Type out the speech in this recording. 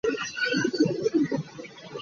Ṭuang ah puan a phah.